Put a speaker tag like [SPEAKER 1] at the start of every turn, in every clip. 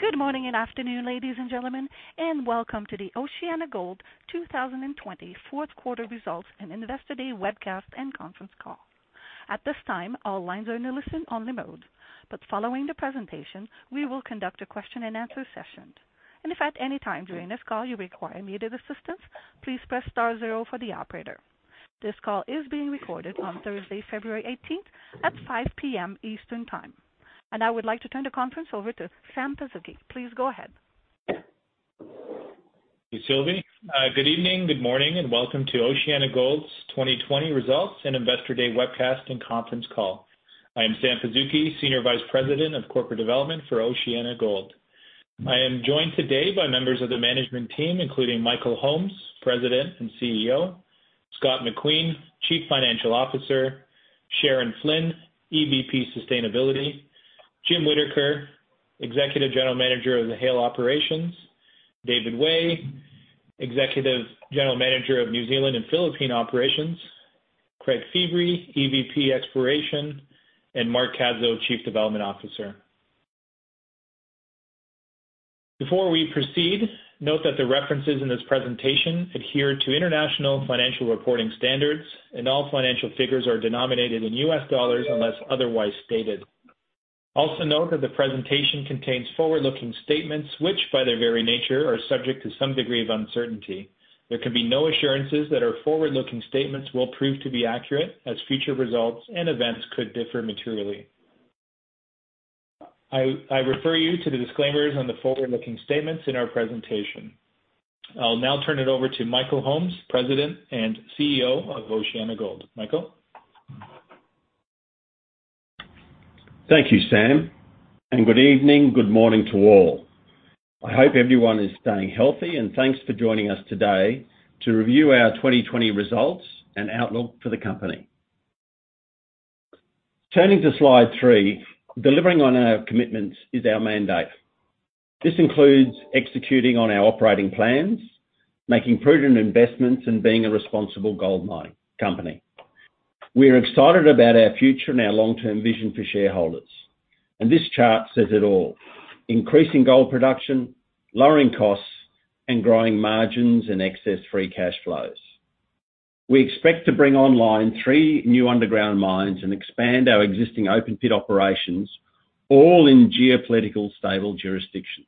[SPEAKER 1] Good morning and afternoon, ladies and gentlemen, and welcome to the OceanaGold 2020 fourth quarter results and Investor Day webcast and conference call. At this time, all lines are in a listen-only mode, but following the presentation, we will conduct a question and answer session. If at any time during this call you require immediate assistance, please press star zero for the operator. This call is being recorded on Thursday, February 18th at 5:00 P.M. Eastern Time. I would like to turn the conference over to Sam Pazuki. Please go ahead.
[SPEAKER 2] Thank you, Sylvie. Good evening, good morning, and welcome to OceanaGold's 2020 results and Investor Day webcast and conference call. I am Sam Pazuki, Senior Vice President of Corporate Development for OceanaGold. I am joined today by members of the management team, including Michael Holmes, President and CEO, Scott McQueen, Chief Financial Officer, Sharon Flynn, EVP Sustainability, Jim Whittaker, Executive General Manager of the Haile operations, David Way, Executive General Manager of New Zealand and Philippine Operations, Craig Feebrey, EVP Exploration, and Mark Cadzow, Chief Development Officer. Before we proceed, note that the references in this presentation adhere to International Financial Reporting Standards, and all financial figures are denominated in US dollars unless otherwise stated. Also note that the presentation contains forward-looking statements, which, by their very nature, are subject to some degree of uncertainty. There can be no assurances that our forward-looking statements will prove to be accurate, as future results and events could differ materially. I refer you to the disclaimers on the forward-looking statements in our presentation. I'll now turn it over to Michael Holmes, President and CEO of OceanaGold. Michael?
[SPEAKER 3] Thank you, Sam, and good evening, good morning to all. I hope everyone is staying healthy, and thanks for joining us today to review our 2020 results and outlook for the company. Turning to slide three, delivering on our commitments is our mandate. This includes executing on our operating plans, making prudent investments, and being a responsible gold mining company. We are excited about our future and our long-term vision for shareholders, and this chart says it all. Increasing gold production, lowering costs, and growing margins and excess free cash flows. We expect to bring online three new underground mines and expand our existing open pit operations, all in geopolitical stable jurisdictions.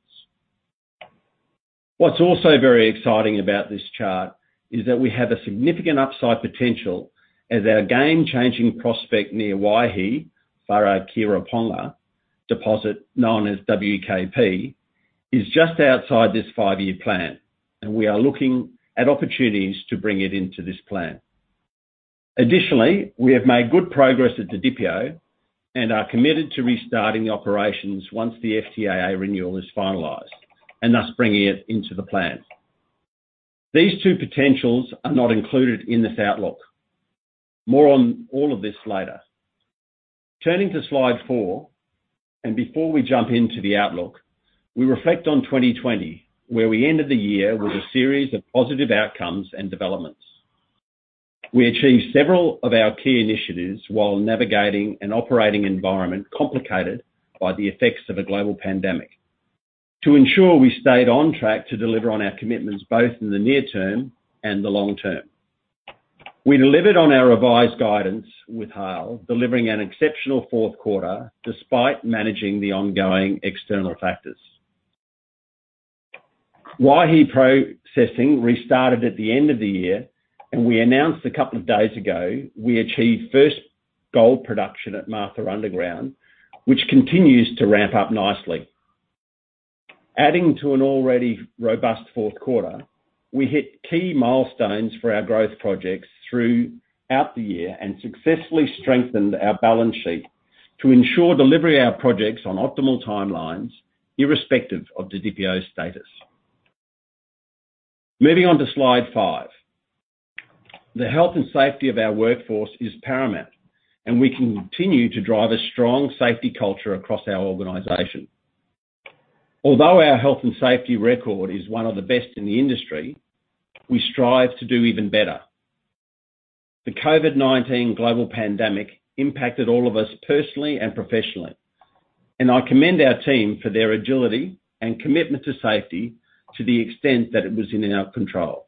[SPEAKER 3] What's also very exciting about this chart is that we have a significant upside potential as our game-changing prospect near Waihi, Wharekirauponga Deposit, known as WKP, is just outside this five-year plan, and we are looking at opportunities to bring it into this plan. Additionally, we have made good progress at Didipio and are committed to restarting operations once the FTAA renewal is finalized, and thus bringing it into the plan. These two potentials are not included in this outlook. More on all of this later. Turning to slide four, and before we jump into the outlook, we reflect on 2020, where we ended the year with a series of positive outcomes and developments. We achieved several of our key initiatives while navigating an operating environment complicated by the effects of a global pandemic to ensure we stayed on track to deliver on our commitments, both in the near term and the long term. We delivered on our revised guidance with Haile, delivering an exceptional fourth quarter despite managing the ongoing external factors. Waihi processing restarted at the end of the year. We announced a couple of days ago, we achieved first gold production at Martha Underground, which continues to ramp up nicely. Adding to an already robust fourth quarter, we hit key milestones for our growth projects throughout the year and successfully strengthened our balance sheet to ensure delivery of our projects on optimal timelines, irrespective of Didipio's status. Moving on to slide five. The health and safety of our workforce is paramount, and we continue to drive a strong safety culture across our organization. Although our health and safety record is one of the best in the industry, we strive to do even better. The COVID-19 global pandemic impacted all of us personally and professionally, and I commend our team for their agility and commitment to safety to the extent that it was in our control.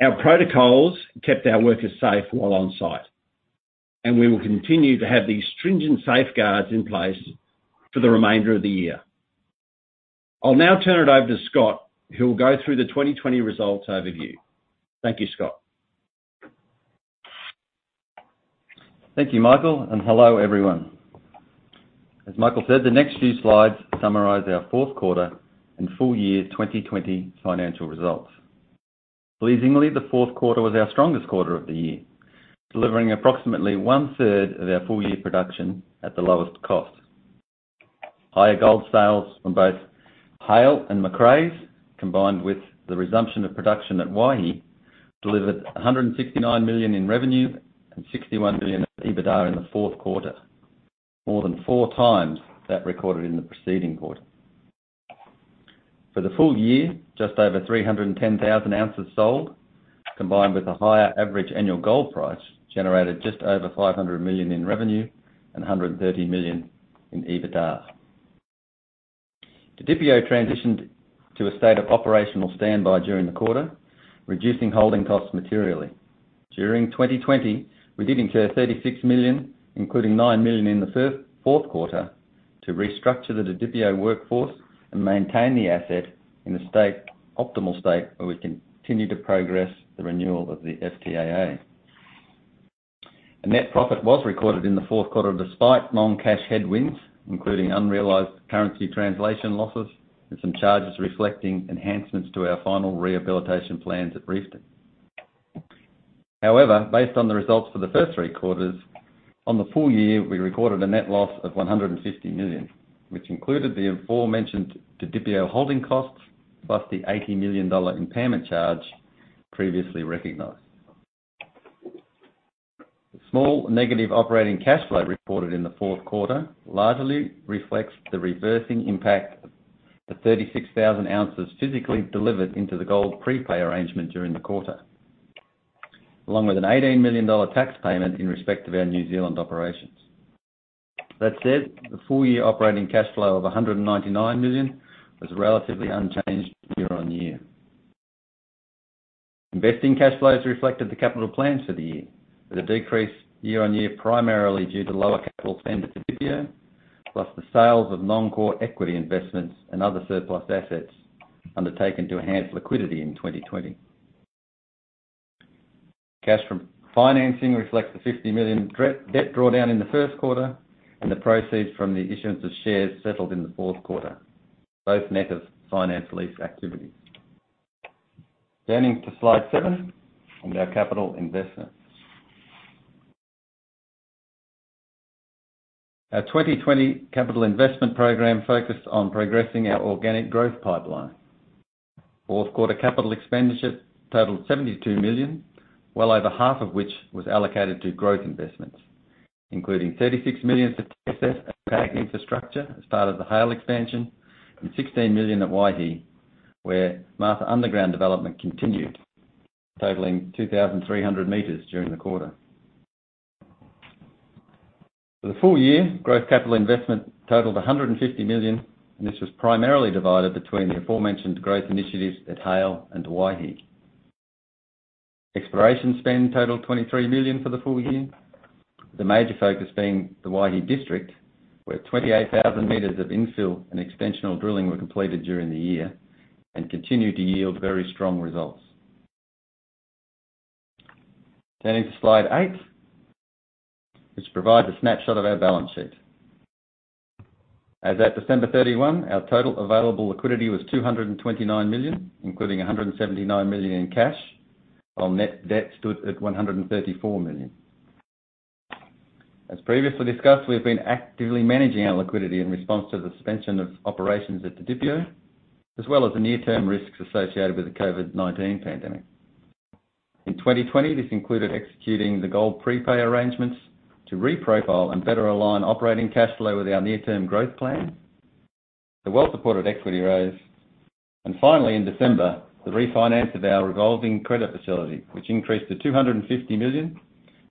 [SPEAKER 3] Our protocols kept our workers safe while on-site, and we will continue to have these stringent safeguards in place for the remainder of the year. I'll now turn it over to Scott, who will go through the 2020 results overview. Thank you, Scott.
[SPEAKER 4] Thank you, Michael, and hello, everyone. As Michael said, the next few slides summarize our fourth quarter and full-year 2020 financial results. Pleasingly, the fourth quarter was our strongest quarter of the year, delivering approximately one-third of our full-year production at the lowest cost. Higher gold sales from both Haile and Macraes, combined with the resumption of production at Waihi, delivered $169 million in revenue and $61 million in EBITDA in the fourth quarter, more than four times that recorded in the preceding quarter. For the full-year, just over 310,000 ounces sold, combined with a higher average annual gold price, generated just over $500 million in revenue and $130 million in EBITDA. Didipio transitioned to a state of operational standby during the quarter, reducing holding costs materially. During 2020, we did incur $36 million, including $9 million in the fourth quarter, to restructure the Didipio workforce and maintain the asset in an optimal state where we can continue to progress the renewal of the FTAA. A net profit was recorded in the fourth quarter despite non-cash headwinds, including unrealized currency translation losses and some charges reflecting enhancements to our final rehabilitation plans at Reefton. However, based on the results for the first three quarters, on the full-year, we recorded a net loss of $150 million, which included the aforementioned Didipio holding costs, plus the $80 million impairment charge previously recognized. The small negative operating cash flow reported in the fourth quarter largely reflects the reversing impact of 36,000 ounces physically delivered into the gold prepay arrangement during the quarter, along with an $18 million tax payment in respect of our New Zealand operations. That said, the full-year operating cash flow of $199 million was relatively unchanged year-on-year. Investing cash flows reflected the capital plans for the year, with a decrease year-on-year, primarily due to lower capital spend at Didipio, plus the sales of non-core equity investments and other surplus assets undertaken to enhance liquidity in 2020. Cash from financing reflects the $50 million debt drawdown in the first quarter and the proceeds from the issuance of shares settled in the fourth quarter, both net of finance lease activity. Turning to slide seven on our capital investments. Our 2020 capital investment program focused on progressing our organic growth pipeline. Fourth quarter capital expenditure totaled $72 million, well over half of which was allocated to growth investments, including $36 million for TSF and PAG infrastructure as part of the Haile expansion, and $16 million at Waihi, where Martha Underground development continued, totaling 2,300 m during the quarter. For the full-year, growth capital investment totaled $150 million. This was primarily divided between the aforementioned growth initiatives at Haile and Waihi. Exploration spend totaled $23 million for the full-year, with the major focus being the Waihi District, where 28,000 m of infill and extensional drilling were completed during the year and continued to yield very strong results. Turning to slide eight, which provides a snapshot of our balance sheet. As at December 31, our total available liquidity was $229 million, including $179 million in cash, while net debt stood at $134 million. As previously discussed, we've been actively managing our liquidity in response to the suspension of operations at Didipio, as well as the near-term risks associated with the COVID-19 pandemic. In 2020, this included executing the gold prepay arrangements to re-profile and better align operating cash flow with our near-term growth plan, the well-supported equity raise, and finally, in December, the refinance of our revolving credit facility, which increased to $250 million,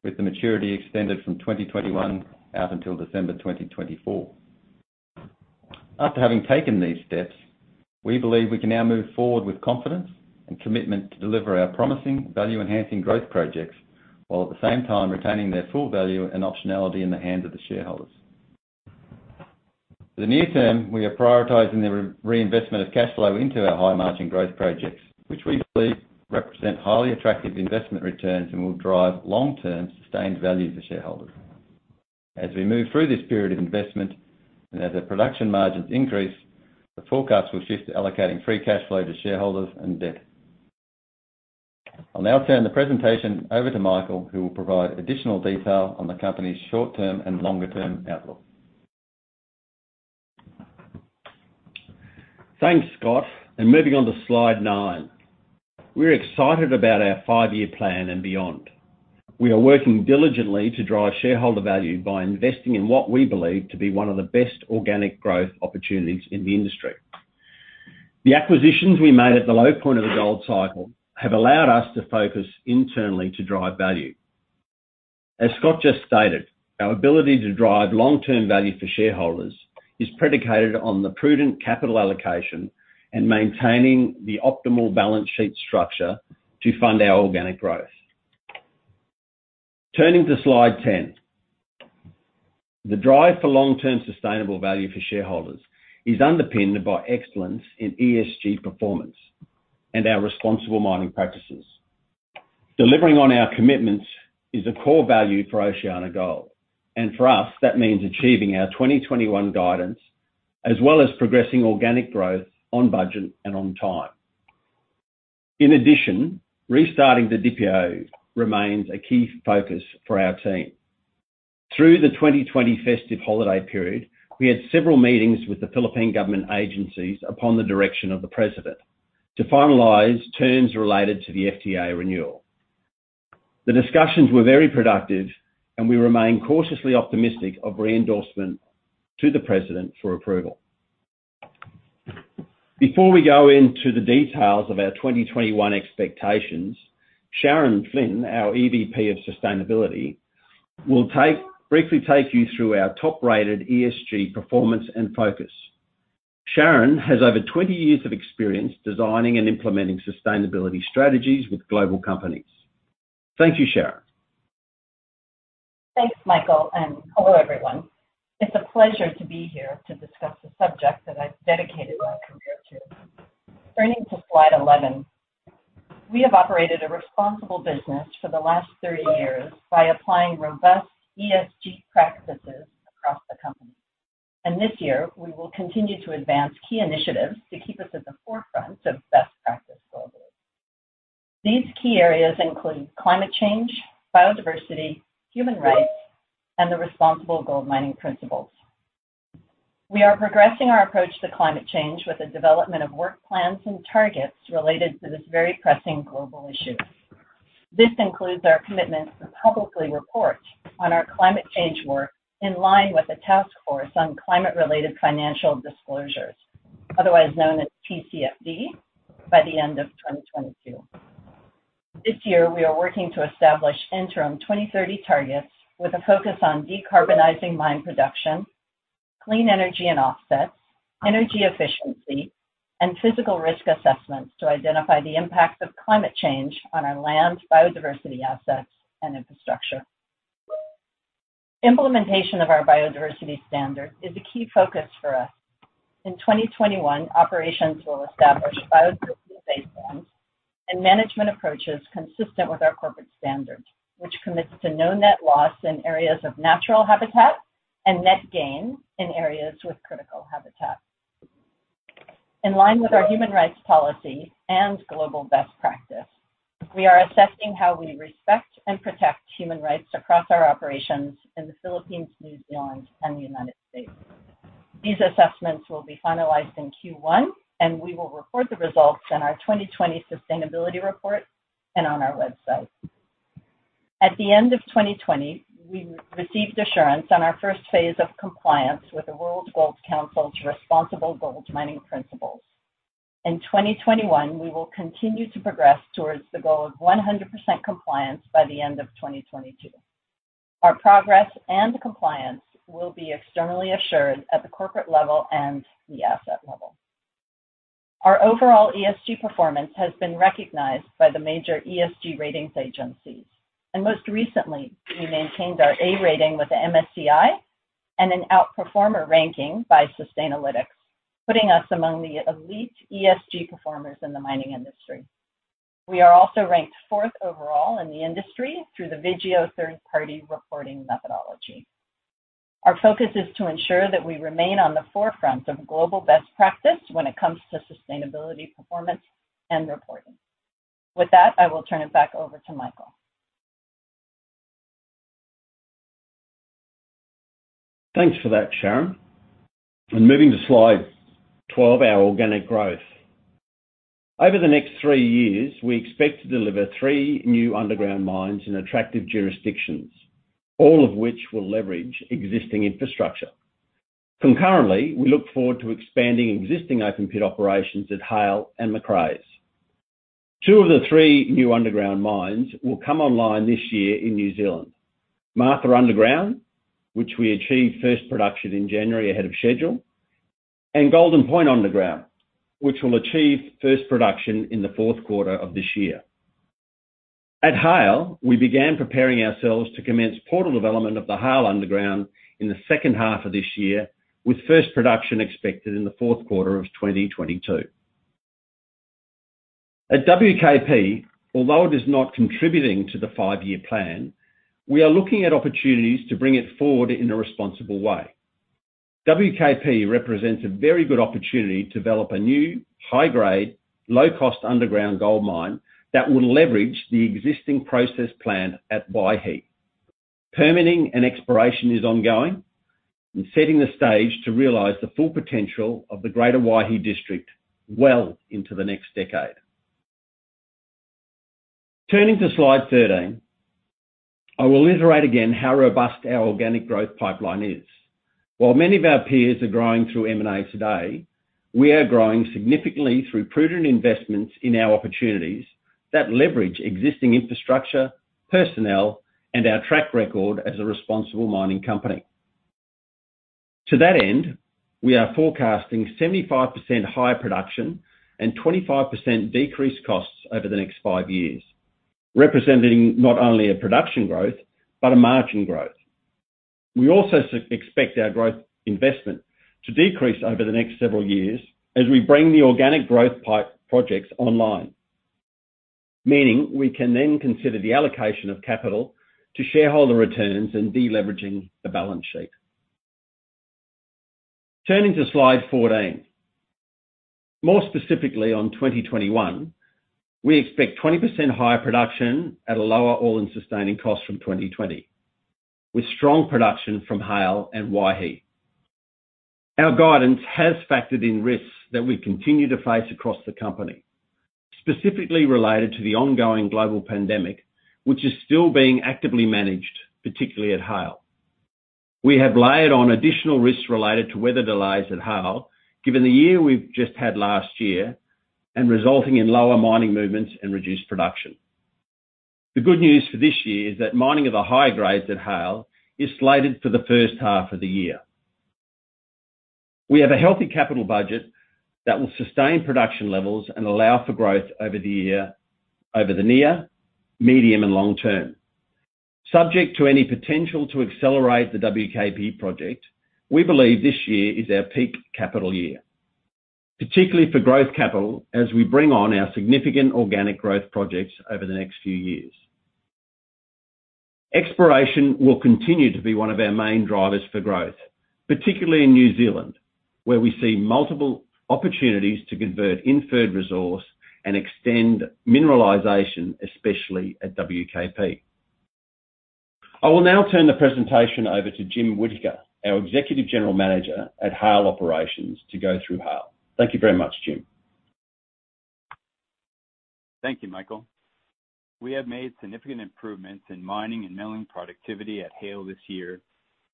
[SPEAKER 4] with the maturity extended from 2021 out until December 2024. After having taken these steps, we believe we can now move forward with confidence and commitment to deliver our promising value-enhancing growth projects, while at the same time retaining their full value and optionality in the hands of the shareholders. For the near term, we are prioritizing the reinvestment of cash flow into our high-margin growth projects, which we believe represent highly attractive investment returns and will drive long-term sustained value to shareholders. As we move through this period of investment and as our production margins increase, the forecast will shift to allocating free cash flow to shareholders and debt. I'll now turn the presentation over to Michael, who will provide additional detail on the company's short-term and longer-term outlook.
[SPEAKER 3] Thanks, Scott, and moving on to slide nine. We're excited about our five-year plan and beyond. We are working diligently to drive shareholder value by investing in what we believe to be one of the best organic growth opportunities in the industry. The acquisitions we made at the low point of the gold cycle have allowed us to focus internally to drive value. As Scott just stated, our ability to drive long-term value for shareholders is predicated on the prudent capital allocation and maintaining the optimal balance sheet structure to fund our organic growth. Turning to slide 10. The drive for long-term sustainable value for shareholders is underpinned by excellence in ESG performance and our responsible mining practices. Delivering on our commitments is a core value for OceanaGold, and for us, that means achieving our 2021 guidance, as well as progressing organic growth on budget and on time. In addition, restarting Didipio remains a key focus for our team. Through the 2020 festive holiday period, we had several meetings with the Philippine government agencies upon the direction of the President to finalize terms related to the FTAA renewal. The discussions were very productive, and we remain cautiously optimistic of re-endorsement to the President for approval. Before we go into the details of our 2021 expectations, Sharon Flynn, our EVP of Sustainability, will briefly take you through our top-rated ESG performance and focus. Sharon has over 20 years of experience designing and implementing sustainability strategies with global companies. Thank you, Sharon.
[SPEAKER 5] Thanks, Michael. Hello, everyone. It's a pleasure to be here to discuss a subject that I've dedicated my career to. Turning to slide 11, we have operated a responsible business for the last 30 years by applying robust ESG practices across the company. This year, we will continue to advance key initiatives to keep us at the forefront of best practice globally. These key areas include climate change, biodiversity, human rights, and the Responsible Gold Mining Principles. We are progressing our approach to climate change with the development of work plans and targets related to this very pressing global issue. This includes our commitment to publicly report on our climate change work in line with the Task Force on Climate-Related Financial Disclosures, otherwise known as TCFD, by the end of 2022. This year, we are working to establish interim 2030 targets with a focus on decarbonizing mine production, clean energy and offsets, energy efficiency, and physical risk assessments to identify the impacts of climate change on our land, biodiversity assets, and infrastructure. Implementation of our biodiversity standard is a key focus for us. In 2021, operations will establish biodiversity baselines and management approaches consistent with our corporate standard, which commits to no net loss in areas of natural habitat and net gain in areas with critical habitat. In line with our human rights policy and global best practice, we are assessing how we respect and protect human rights across our operations in the Philippines, New Zealand, and the United States. These assessments will be finalized in Q1, and we will report the results in our 2020 sustainability report and on our website. At the end of 2020, we received assurance on our first phase of compliance with the World Gold Council's Responsible Gold Mining Principles. In 2021, we will continue to progress towards the goal of 100% compliance by the end of 2022. Our progress and compliance will be externally assured at the corporate level and the asset level. Our overall ESG performance has been recognized by the major ESG ratings agencies. Most recently, we maintained our A rating with the MSCI and an outperformer ranking by Sustainalytics, putting us among the elite ESG performers in the mining industry. We are also ranked fourth overall in the industry through the Vigeo third-party reporting methodology. Our focus is to ensure that we remain on the forefront of global best practice when it comes to sustainability performance and reporting. With that, I will turn it back over to Michael.
[SPEAKER 3] Thanks for that, Sharon. Moving to slide 12, our organic growth. Over the next three years, we expect to deliver three new underground mines in attractive jurisdictions, all of which will leverage existing infrastructure. Concurrently, we look forward to expanding existing open pit operations at Haile and Macraes. Two of the three new underground mines will come online this year in New Zealand. Martha Underground, which we achieved first production in January ahead of schedule, and Golden Point Underground, which will achieve first production in the fourth quarter of this year. At Haile, we began preparing ourselves to commence portal development of the Haile Underground in the second half of this year, with first production expected in the fourth quarter of 2022. At WKP, although it is not contributing to the five-year plan, we are looking at opportunities to bring it forward in a responsible way. WKP represents a very good opportunity to develop a new high-grade, low-cost underground gold mine that will leverage the existing process plant at Waihi. Permitting and exploration is ongoing and setting the stage to realize the full potential of the greater Waihi district well into the next decade. Turning to slide 13, I will iterate again how robust our organic growth pipeline is. While many of our peers are growing through M&A today, we are growing significantly through prudent investments in our opportunities that leverage existing infrastructure, personnel, and our track record as a responsible mining company. To that end, we are forecasting 75% higher production and 25% decreased costs over the next five years, representing not only a production growth, but a margin growth. We also expect our growth investment to decrease over the next several years as we bring the organic growth pipe projects online, meaning we can then consider the allocation of capital to shareholder returns and de-leveraging the balance sheet. Turning to slide 14. More specifically on 2021, we expect 20% higher production at a lower all-in sustaining cost from 2020, with strong production from Haile and Waihi. Our guidance has factored in risks that we continue to face across the company, specifically related to the ongoing global pandemic, which is still being actively managed, particularly at Haile. We have layered on additional risks related to weather delays at Haile, given the year we've just had last year, and resulting in lower mining movements and reduced production. The good news for this year is that mining of the high grades at Haile is slated for the first half of the year. We have a healthy capital budget that will sustain production levels and allow for growth over the near, medium, and long term. Subject to any potential to accelerate the WKP project, we believe this year is our peak capital year, particularly for growth capital, as we bring on our significant organic growth projects over the next few years. Exploration will continue to be one of our main drivers for growth, particularly in New Zealand, where we see multiple opportunities to convert inferred resource and extend mineralization, especially at WKP. I will now turn the presentation over to Jim Whittaker, our Executive General Manager at Haile operations, to go through Haile. Thank you very much, Jim.
[SPEAKER 6] Thank you, Michael. We have made significant improvements in mining and milling productivity at Haile this year,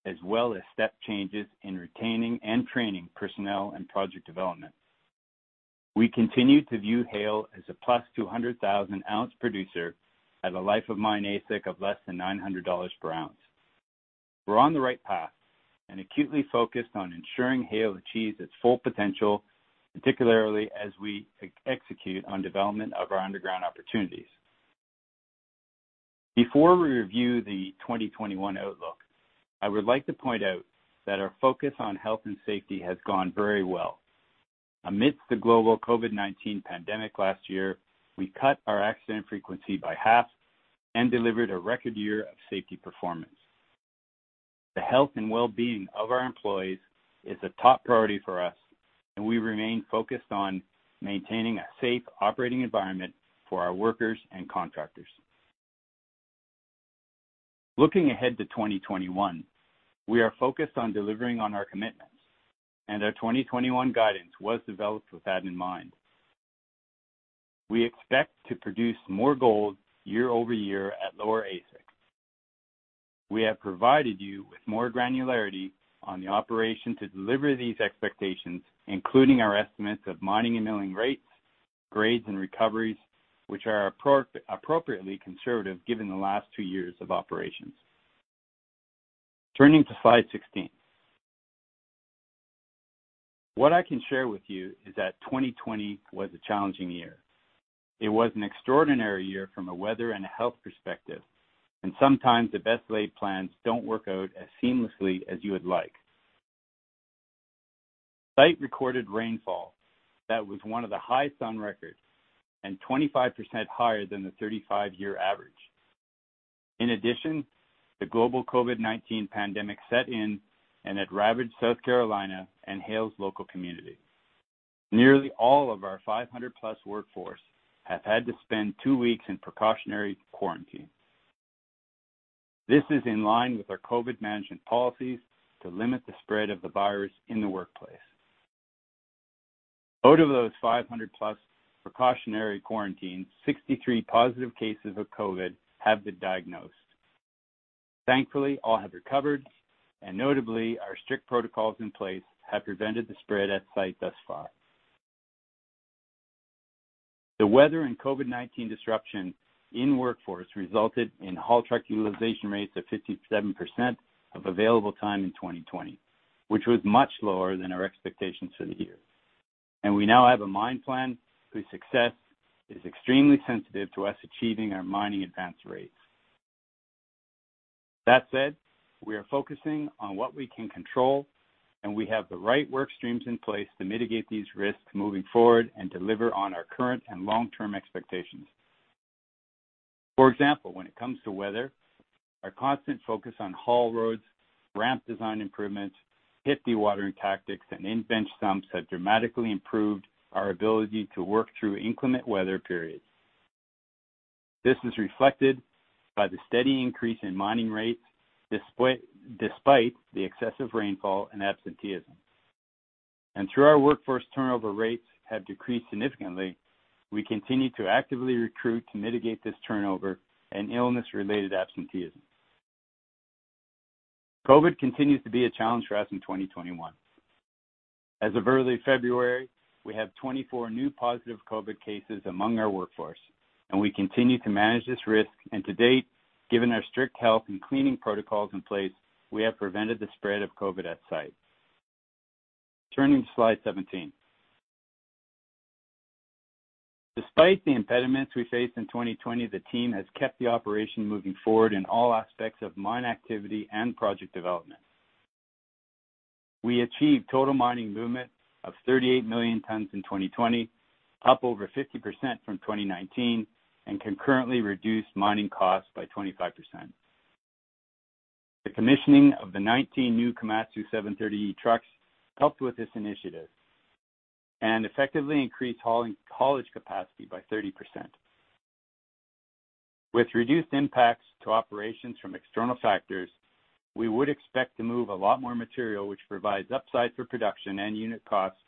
[SPEAKER 6] as well as step changes in retaining and training personnel and project development. We continue to view Haile as a +200,000-ounce producer at a life of mine AISC of less than $900 per ounce. We're on the right path and acutely focused on ensuring Haile achieves its full potential, particularly as we execute on development of our underground opportunities. Before we review the 2021 outlook, I would like to point out that our focus on health and safety has gone very well. Amidst the global COVID-19 pandemic last year, we cut our accident frequency by half and delivered a record year of safety performance. The health and wellbeing of our employees is a top priority for us, and we remain focused on maintaining a safe operating environment for our workers and contractors. Looking ahead to 2021, we are focused on delivering on our commitments, and our 2021 guidance was developed with that in mind. We expect to produce more gold year-over-year at lower AISC. We have provided you with more granularity on the operation to deliver these expectations, including our estimates of mining and milling rates, grades, and recoveries, which are appropriately conservative given the last two years of operations. Turning to slide 16. What I can share with you is that 2020 was a challenging year. It was an extraordinary year from a weather and a health perspective, and sometimes the best laid plans don't work out as seamlessly as you would like. Site recorded rainfall that was one of the highest on record and 25% higher than the 35-year average. In addition, the global COVID-19 pandemic set in and it ravaged South Carolina and Haile's local community. Nearly all of our 500+ workforce have had to spend two weeks in precautionary quarantine. This is in line with our COVID management policies to limit the spread of the virus in the workplace. Out of those 500+ precautionary quarantine, 63 positive cases of COVID have been diagnosed. Thankfully, all have recovered. Notably, our strict protocols in place have prevented the spread at site thus far. The weather and COVID-19 disruption in workforce resulted in haul truck utilization rates of 57% of available time in 2020, which was much lower than our expectations for the year. We now have a mine plan whose success is extremely sensitive to us achieving our mining advance rates. That said, we are focusing on what we can control. We have the right work streams in place to mitigate these risks moving forward and deliver on our current and long-term expectations. For example, when it comes to weather, our constant focus on haul roads, ramp design improvements, pit dewatering tactics, and in-bench sumps have dramatically improved our ability to work through inclement weather periods. This is reflected by the steady increase in mining rates despite the excessive rainfall and absenteeism. Through our workforce turnover rates have decreased significantly, we continue to actively recruit to mitigate this turnover and illness-related absenteeism. COVID continues to be a challenge for us in 2021. As of early February, we have 24 new positive COVID cases among our workforce, and we continue to manage this risk. To date, given our strict health and cleaning protocols in place, we have prevented the spread of COVID at site. Turning to slide 17. Despite the impediments we faced in 2020, the team has kept the operation moving forward in all aspects of mine activity and project development. We achieved total mining movement of 38 million tons in 2020, up over 50% from 2019, concurrently reduced mining costs by 25%. The commissioning of the 19 new Komatsu 730E trucks helped with this initiative and effectively increased hauling capacity by 30%. With reduced impacts to operations from external factors, we would expect to move a lot more material, which provides upside for production and unit costs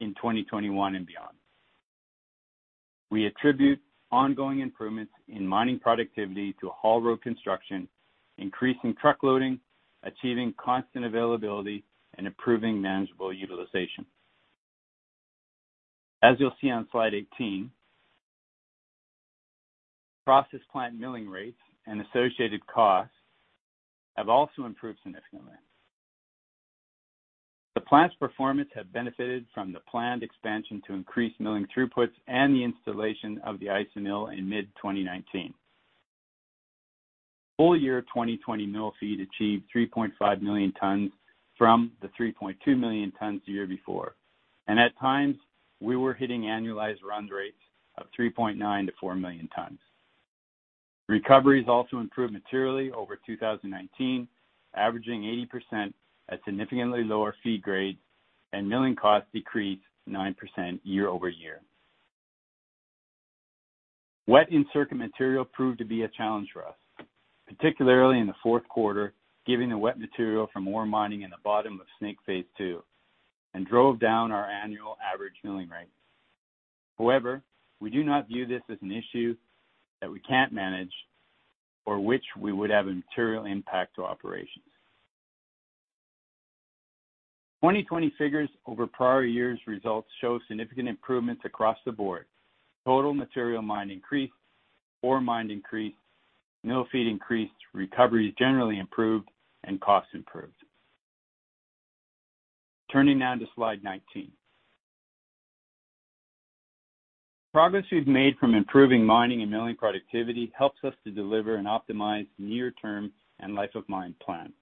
[SPEAKER 6] in 2021 and beyond. We attribute ongoing improvements in mining productivity to haul road construction, increasing truck loading, achieving constant availability, and improving manageable utilization. As you'll see on slide 18, process plant milling rates and associated costs have also improved significantly. The plant's performance have benefited from the planned expansion to increase milling throughputs and the installation of the IsaMill in mid-2019. full-year 2020 mill feed achieved 3.5 million tons from the 3.2 million tons the year before. At times, we were hitting annualized run rates of 3.9 million-4 million tons. Recovery has also improved materially over 2019, averaging 80% at significantly lower feed grades and milling costs decreased 9% year-over-year. Wet in-circuit material proved to be a challenge for us, particularly in the fourth quarter, given the wet material from ore mining in the bottom of Snake Phase 2, and drove down our annual average milling rates. However, we do not view this as an issue that we can't manage or which we would have a material impact to operations. 2020 figures over prior years results show significant improvements across the board. Total material mined increased, ore mined increased, mill feed increased, recoveries generally improved, and costs improved. Turning now to slide 19. Progress we've made from improving mining and milling productivity helps us to deliver an optimized near-term and life-of-mine plan.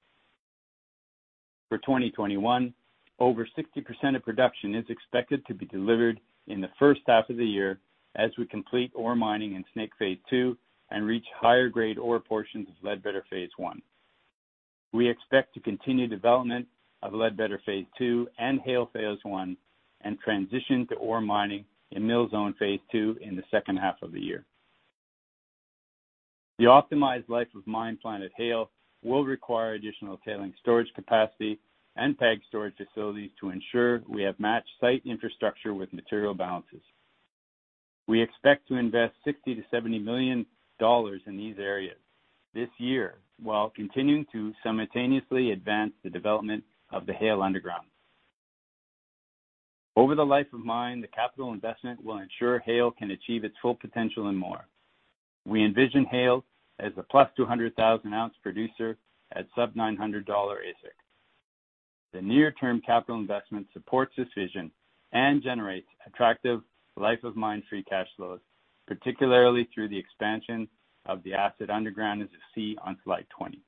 [SPEAKER 6] For 2021, over 60% of production is expected to be delivered in the first half of the year as we complete ore mining in Snake Phase 2 and reach higher grade ore portions of Ledbetter Phase 1. We expect to continue development of Ledbetter Phase 2 and Haile Phase 1 and transition to ore mining in Mill Zone Phase 2 in the second half of the year. The optimized life of mine plan at Haile will require additional tailings storage capacity and PAG storage facilities to ensure we have matched site infrastructure with material balances. We expect to invest $60 million to $70 million in these areas this year while continuing to simultaneously advance the development of the Haile Underground. Over the life of mine, the capital investment will ensure Haile can achieve its full potential and more. We envision Haile as a +200,000-ounce producer at sub-$900 AISC. The near-term capital investment supports this vision and generates attractive life-of-mine free cash flows, particularly through the expansion of the asset underground, as you see on slide 20.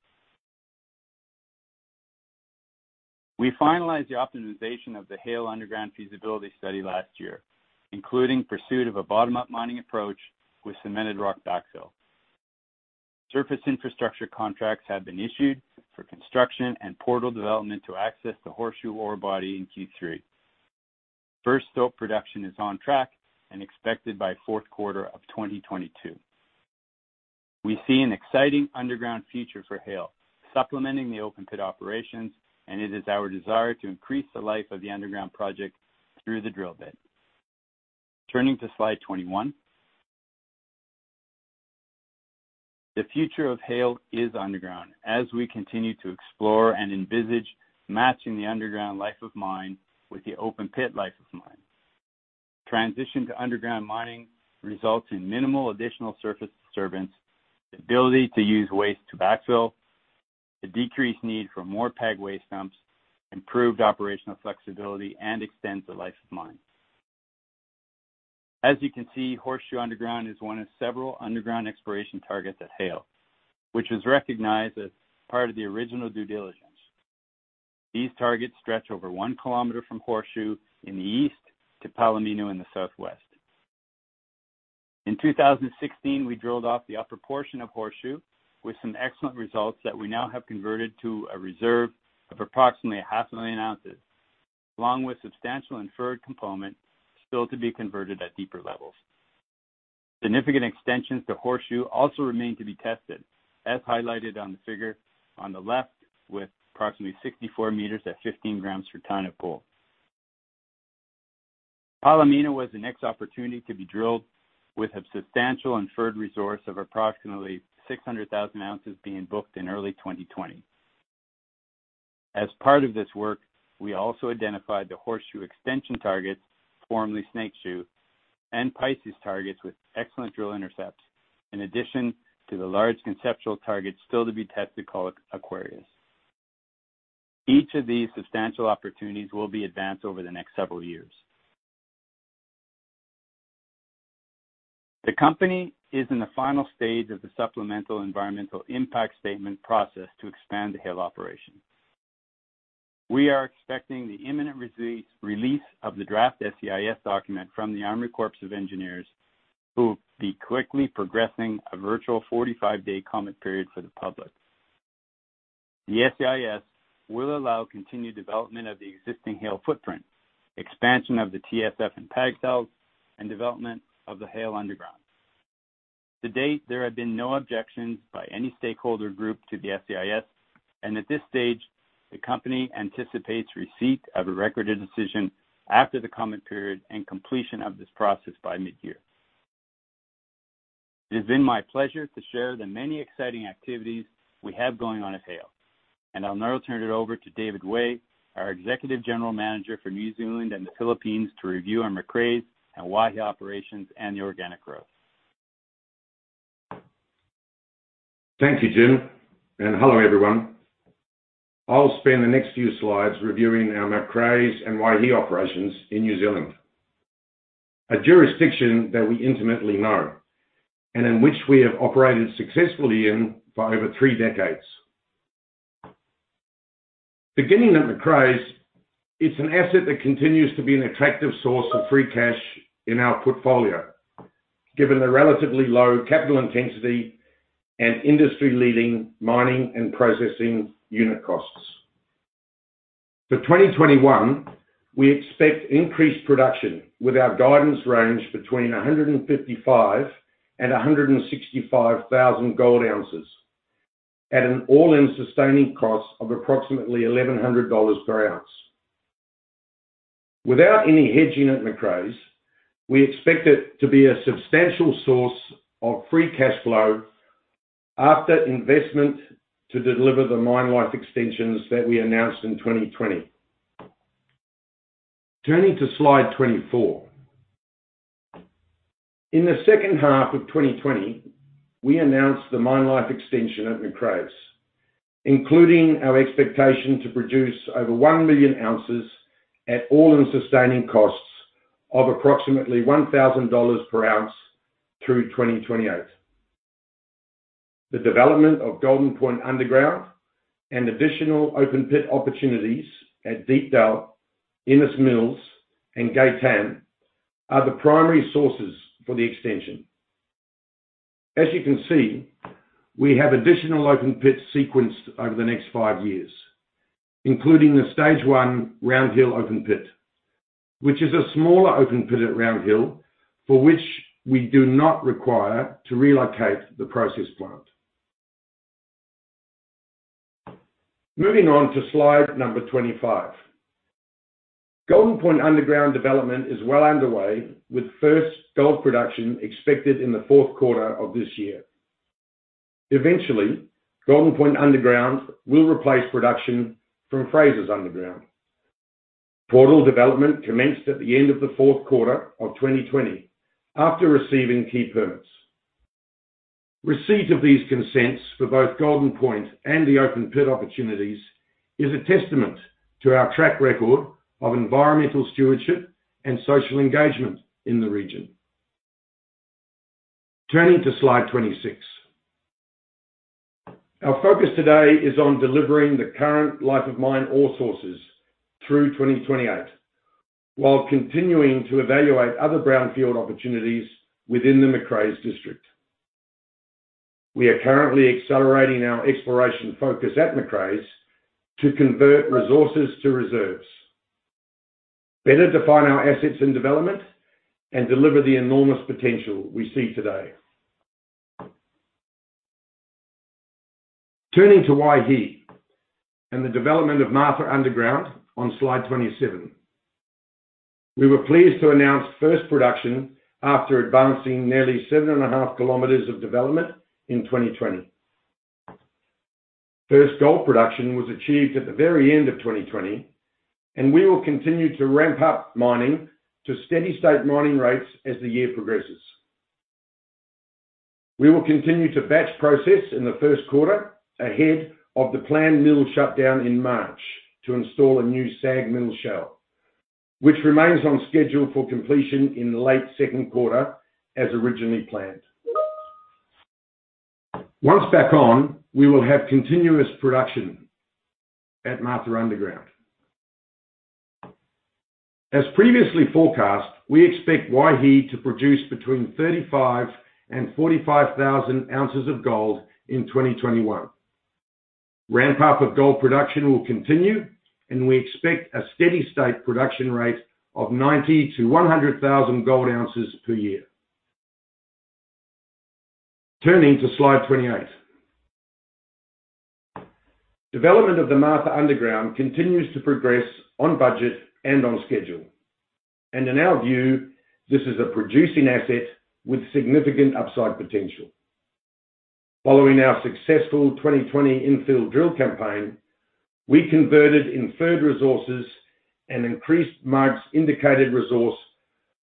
[SPEAKER 6] We finalized the optimization of the Haile underground feasibility study last year, including pursuit of a bottom-up mining approach with cemented rock backfill. Surface infrastructure contracts have been issued for construction and portal development to access the Horseshoe ore body in Q3. First stope production is on track and expected by fourth quarter of 2022. We see an exciting underground future for Haile supplementing the open pit operations, and it is our desire to increase the life of the underground project through the drill bit. Turning to slide 21. The future of Haile is underground as we continue to explore and envisage matching the underground life of mine with the open pit life of mine. Transition to underground mining results in minimal additional surface disturbance, the ability to use waste to backfill, the decreased need for more PAG waste dumps, improved operational flexibility, and extends the life of mine. As you can see, Horseshoe Underground is one of several underground exploration targets at Haile, which was recognized as part of the original due diligence. These targets stretch over one km from Horseshoe in the east to Palomino in the southwest. In 2016, we drilled off the upper portion of Horseshoe with some excellent results that we now have converted to a reserve of approximately 500,000 ounces, along with substantial inferred component still to be converted at deeper levels. Significant extensions to Horseshoe also remain to be tested, as highlighted on the figure on the left, with approximately 64 m at 15 g per ton of gold. Palomino was the next opportunity to be drilled with a substantial inferred resource of approximately 600,000 ounces being booked in early 2020. As part of this work, we also identified the Horseshoe Extension targets, formerly Snake Shoe, and Pisces targets with excellent drill intercepts, in addition to the large conceptual targets still to be tested, called Aquarius. Each of these substantial opportunities will be advanced over the next several years. The company is in the final stage of the supplemental environmental impact statement process to expand the Haile operation. We are expecting the imminent release of the draft SEIS document from the Army Corps of Engineers, who will be quickly progressing a virtual 45-day comment period for the public. The SEIS will allow continued development of the existing Haile footprint, expansion of the TSF and PAG's Cells, and development of the Haile Underground. To date, there have been no objections by any stakeholder group to the SEIS, and at this stage, the company anticipates receipt of a recorded decision after the comment period and completion of this process by mid-year. It has been my pleasure to share the many exciting activities we have going on at Haile. I'll now turn it over to David Way, our Executive General Manager for New Zealand and the Philippines, to review our Macraes and Waihi operations and the organic growth.
[SPEAKER 7] Thank you, Jim, and hello, everyone. I'll spend the next few slides reviewing our Macraes and Waihi operations in New Zealand, a jurisdiction that we intimately know, and in which we have operated successfully in for over three decades. Beginning at Macraes, it's an asset that continues to be an attractive source of free cash in our portfolio, given the relatively low capital intensity and industry-leading mining and processing unit costs. For 2021, we expect increased production with our guidance range between 155,000 and 165,000 gold ounces at an all-in sustaining cost of approximately $1,100 per ounce. Without any hedging at Macraes, we expect it to be a substantial source of free cash flow after investment to deliver the mine life extensions that we announced in 2020. Turning to slide 24. In the second half of 2020, we announced the mine life extension at Macraes, including our expectation to produce over 1 million ounces at all-in sustaining costs of approximately $1,000 per ounce through 2028. The development of Golden Point Underground and additional open pit opportunities at Deepdell, Innes Mills, and Gay-Tan are the primary sources for the extension. As you can see, we have additional open pits sequenced over the next five years, including the stage one Round Hill open pit, which is a smaller open pit at Round Hill, for which we do not require to relocate the process plant. Moving on to slide number 25. Golden Point Underground development is well underway, with first gold production expected in the fourth quarter of this year. Eventually, Golden Point Underground will replace production from Frasers Underground. Portal development commenced at the end of the fourth quarter of 2020 after receiving key permits. Receipt of these consents for both Golden Point and the open pit opportunities is a testament to our track record of environmental stewardship and social engagement in the region. Turning to slide 26. Our focus today is on delivering the current life of mine ore sources through 2028, while continuing to evaluate other brownfield opportunities within the Macraes district. We are currently accelerating our exploration focus at Macraes to convert resources to reserves, better define our assets in development, and deliver the enormous potential we see today. Turning to Waihi and the development of Martha Underground on slide 27. We were pleased to announce first production after advancing nearly seven and a half kms of development in 2020. First gold production was achieved at the very end of 2020, and we will continue to ramp up mining to steady state mining rates as the year progresses. We will continue to batch process in the first quarter ahead of the planned mill shutdown in March to install a new SAG mill shell, which remains on schedule for completion in late second quarter as originally planned. Once back on, we will have continuous production at Martha Underground. As previously forecast, we expect Waihi to produce between 35,000 and 45,000 ounces of gold in 2021. Ramp-up of gold production will continue, and we expect a steady state production rate of 90 to 100,000 gold ounces per year. Turning to slide 28. Development of the Martha Underground continues to progress on budget and on schedule. In our view, this is a producing asset with significant upside potential. Following our successful 2020 infill drill campaign, we converted inferred resources and increased Martha's indicated resource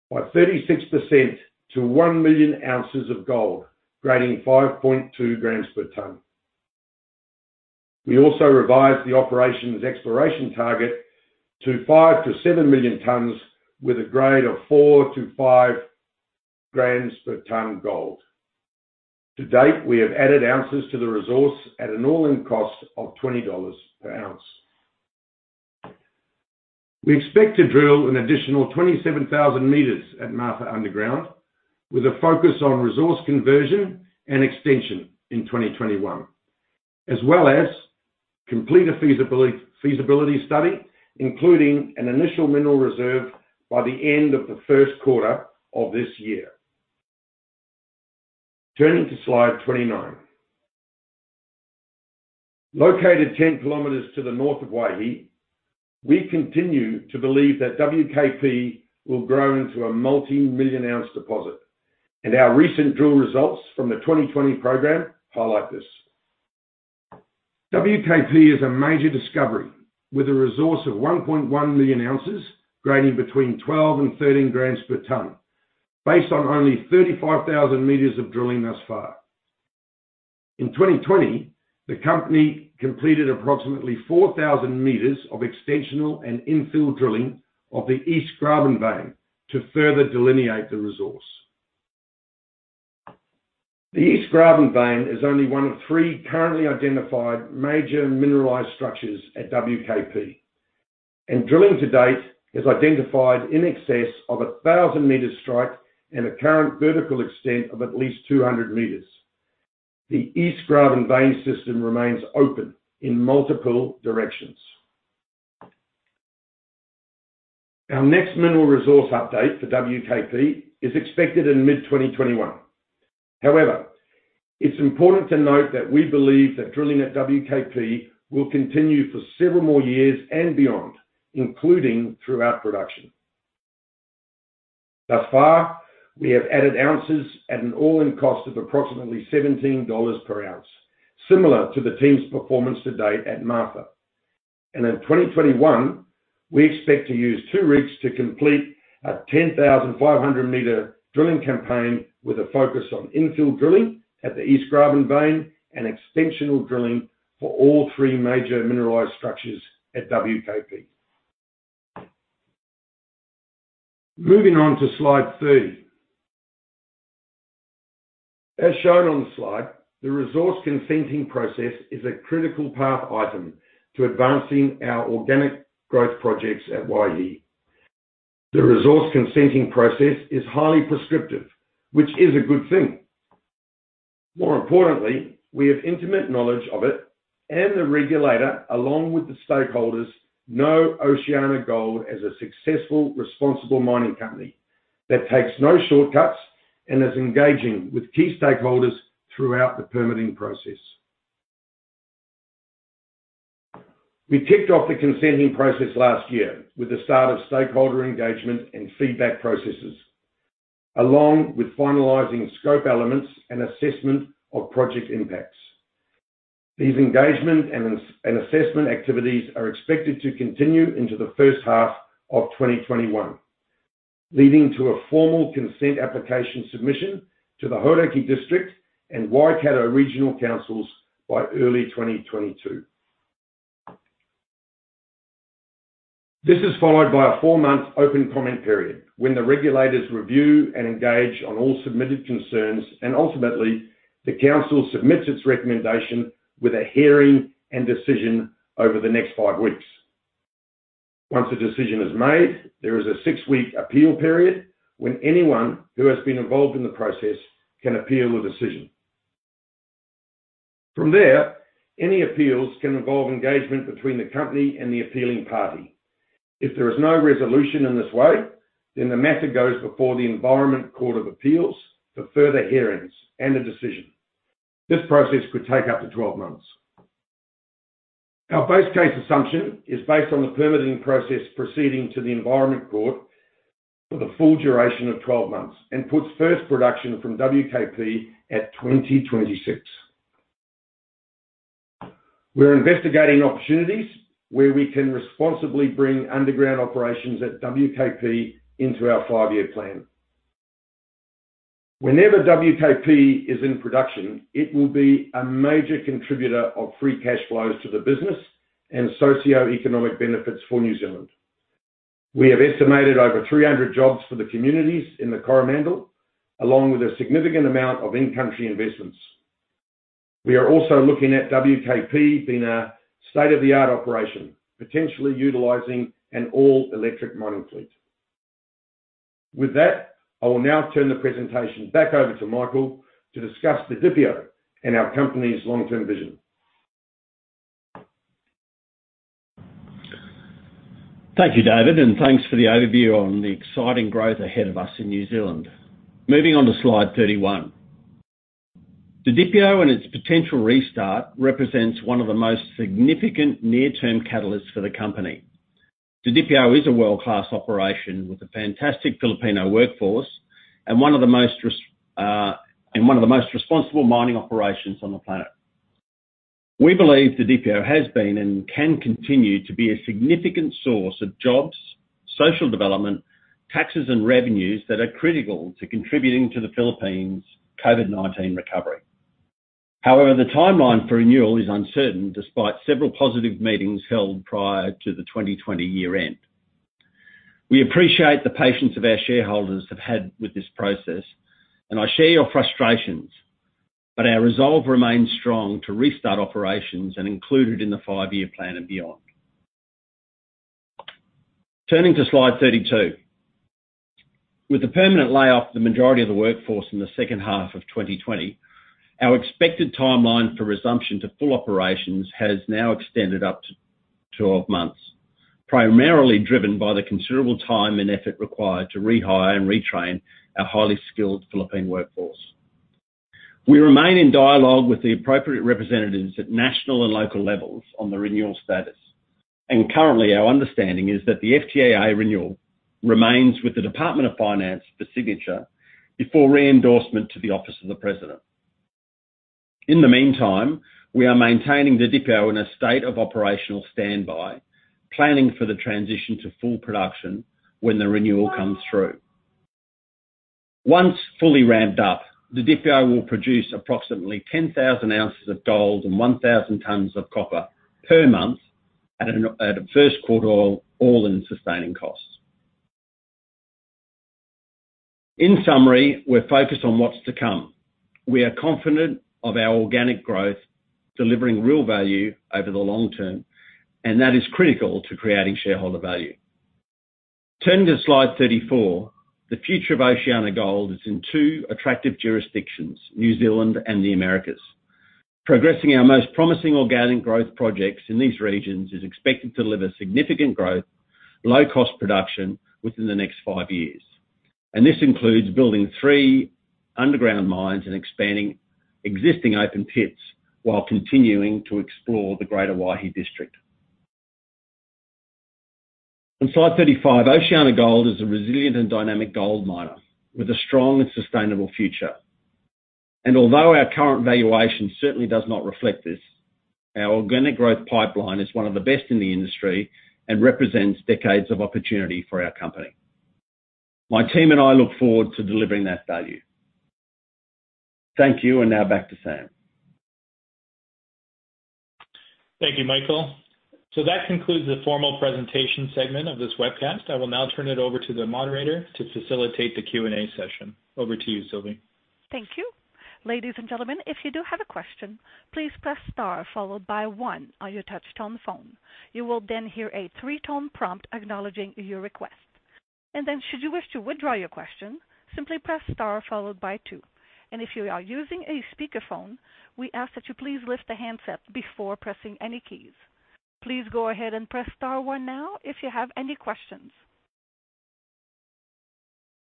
[SPEAKER 7] by 36% to 1 million ounces of gold, grading 5.2 g per ton. We also revised the operations exploration target to 5 million-7 million tons with a grade of 4-5 g per ton gold. To date, we have added ounces to the resource at an all-in cost of $20 per ounce. We expect to drill an additional 27,000 m at Martha Underground, with a focus on resource conversion and extension in 2021, as well as complete a feasibility study, including an initial mineral reserve by the end of the first quarter of this year. Turning to slide 29. Located 10 km to the north of Waihi, we continue to believe that WKP will grow into a multimillion-ounce deposit, and our recent drill results from the 2020 program highlight this. WKP is a major discovery, with a resource of 1.1 million ounces grading between 12 and 13 g per ton, based on only 35,000 m of drilling thus far. In 2020, the company completed approximately 4,000 m of extensional and infill drilling of the East Graben vein to further delineate the resource. The East Graben vein is only one of three currently identified major mineralized structures at WKP. Drilling to date has identified in excess of 1,000-m strike and a current vertical extent of at least 200 m. The East Graben vein system remains open in multiple directions. Our next mineral resource update for WKP is expected in mid-2021. It's important to note that we believe that drilling at WKP will continue for several more years and beyond, including throughout production. Thus far, we have added ounces at an all-in cost of approximately $17 per ounce, similar to the team's performance to date at Martha. In 2021, we expect to use two rigs to complete a 10,500-m drilling campaign with a focus on infill drilling at the East Graben vein and extensional drilling for all three major mineralized structures at WKP. Moving on to slide 30. As shown on the slide, the resource consenting process is a critical path item to advancing our organic growth projects at Waihi. The resource consenting process is highly prescriptive, which is a good thing. More importantly, we have intimate knowledge of it, and the regulator, along with the stakeholders, know OceanaGold as a successful, responsible mining company that takes no shortcuts and is engaging with key stakeholders throughout the permitting process. We ticked off the consenting process last year with the start of stakeholder engagement and feedback processes, along with finalizing scope elements and assessment of project impacts. These engagement and assessment activities are expected to continue into the first half of 2021, leading to a formal consent application submission to the Hauraki District and Waikato Regional Councils by early 2022. This is followed by a four-month open comment period, when the regulators review and engage on all submitted concerns, and ultimately, the Council submits its recommendation with a hearing and decision over the next five weeks. Once a decision is made, there is a six-week appeal period when anyone who has been involved in the process can appeal the decision. Any appeals can involve engagement between the company and the appealing party. If there is no resolution in this way, the matter goes before the Environment Court of Appeals for further hearings and a decision. This process could take up to 12 months. Our base case assumption is based on the permitting process proceeding to the Environment Court for the full duration of 12 months and puts first production from WKP at 2026. We're investigating opportunities where we can responsibly bring underground operations at WKP into our five-year plan. Whenever WKP is in production, it will be a major contributor of free cash flows to the business and socioeconomic benefits for New Zealand. We have estimated over 300 jobs for the communities in the Coromandel, along with a significant amount of in-country investments. We are also looking at WKP being a state-of-the-art operation, potentially utilizing an all-electric mining fleet. With that, I will now turn the presentation back over to Michael to discuss the Didipio and our company's long-term vision.
[SPEAKER 3] Thank you, David, and thanks for the overview on the exciting growth ahead of us in New Zealand. Moving on to slide 31. Didipio and its potential restart represents one of the most significant near-term catalysts for the company. Didipio is a world-class operation with a fantastic Filipino workforce and one of the most responsible mining operations on the planet. We believe Didipio has been and can continue to be a significant source of jobs, social development, taxes, and revenues that are critical to contributing to the Philippines' COVID-19 recovery. The timeline for renewal is uncertain despite several positive meetings held prior to the 2020 year-end. We appreciate the patience of our shareholders have had with this process, and I share your frustrations. Our resolve remains strong to restart operations and include it in the five-year plan and beyond. Turning to slide 32. With the permanent layoff of the majority of the workforce in the second half of 2020, our expected timeline for resumption to full operations has now extended up to 12 months, primarily driven by the considerable time and effort required to rehire and retrain our highly skilled Philippine workforce. Currently, our understanding is that the FTAA renewal remains with the Department of Finance for signature before re-endorsement to the Office of the President. In the meantime, we are maintaining the Didipio in a state of operational standby, planning for the transition to full production when the renewal comes through. Once fully ramped up, the Didipio will produce approximately 10,000 ounces of gold and 1,000 tons of copper per month at a first quartile all-in sustaining costs. In summary, we're focused on what's to come. We are confident of our organic growth delivering real value over the long term, and that is critical to creating shareholder value. Turning to slide 34. The future of OceanaGold is in two attractive jurisdictions, New Zealand and the Americas. Progressing our most promising organic growth projects in these regions is expected to deliver significant growth, low-cost production within the next five years. This includes building three underground mines and expanding existing open pits while continuing to explore the greater Waihi district. On slide 35, OceanaGold is a resilient and dynamic gold miner with a strong and sustainable future. Although our current valuation certainly does not reflect this, our organic growth pipeline is one of the best in the industry and represents decades of opportunity for our company. My team and I look forward to delivering that value. Thank you, now back to Sam.
[SPEAKER 2] Thank you, Michael. That concludes the formal presentation segment of this webcast. I will now turn it over to the moderator to facilitate the Q&A session. Over to you, Sylvie.
[SPEAKER 1] Thank you. Ladies and gentlemen, if you do have a question, please press star followed by one on your touch-tone phone. You will then hear a three-tone prompt acknowledging your request. Then should you wish to withdraw your question, simply press star followed by two. If you are using a speakerphone, we ask that you please lift the handset before pressing any keys. Please go ahead and press star one now if you have any questions.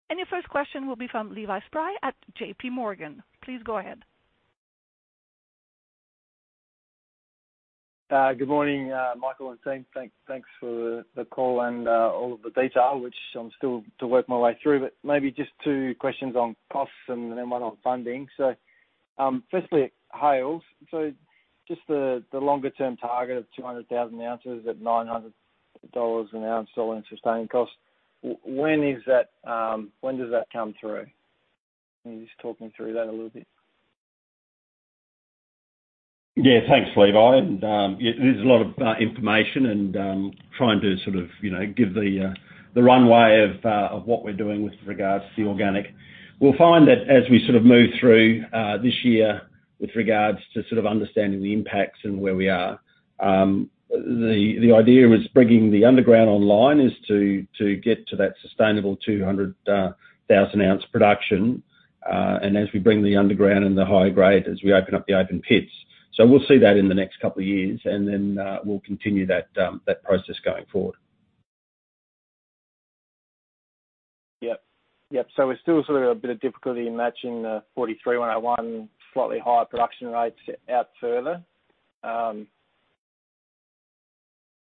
[SPEAKER 1] Your first question will be from Levi Spry at JPMorgan. Please go ahead.
[SPEAKER 8] Good morning, Michael and team. Thanks for the call and all of the detail, which I'm still to work my way through. Maybe just two questions on costs and then one on funding. Firstly, Haile. Just the longer-term target of 200,000 ounces at $900 an ounce, all-in sustaining cost. When does that come through? Can you just talk me through that a little bit?
[SPEAKER 3] Yeah. Thanks, Levi. Yeah, there's a lot of information and trying to sort of give the runway of what we're doing with regards to the organic. We'll find that as we sort of move through this year with regards to sort of understanding the impacts and where we are. The idea was bringing the underground online is to get to that sustainable 200,000-ounce production, and as we bring the underground and the high grade as we open up the open pits. We'll see that in the next couple of years, and then we'll continue that process going forward.
[SPEAKER 8] Yep. There's still sort of a bit of difficulty in matching the National Instrument 43-101 slightly higher production rates out further.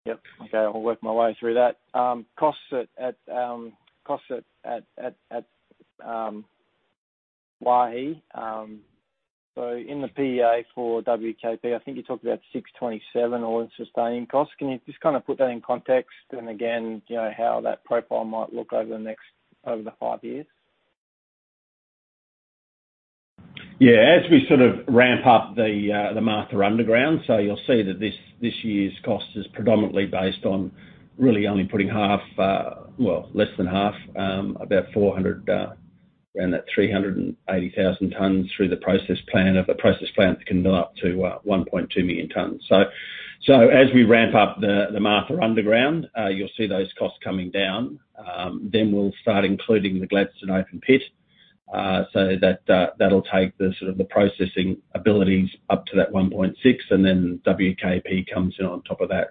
[SPEAKER 8] Yep. Okay, I'll work my way through that. Costs at Waihi. In the PEA for WKP, I think you talked about $627 all in sustaining costs. Can you just kind of put that in context and again, how that profile might look over the five years?
[SPEAKER 3] As we sort of ramp up the Martha Underground, you'll see that this year's cost is predominantly based on really only putting half, well, less than half, about 400, around that 380,000 tons through the process plant that can do up to 1.2 million tons. As we ramp up the Martha Underground, you'll see those costs coming down. We'll start including the Gladstone open pit, that'll take the sort of the processing abilities up to that 1.6, WKP comes in on top of that.